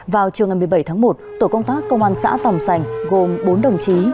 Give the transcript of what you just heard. vào chiều ngày một mươi bảy tháng một tổ công tác công an xã tồng sành gồm bốn đồng chí